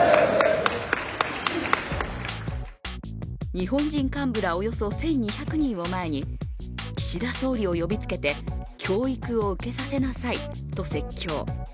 日本人幹部らおよそ１２００人を前に岸田総理を呼びつけて教育を受けさせなさいと説教。